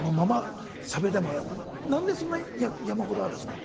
何でそんなに山ほどあるんですか？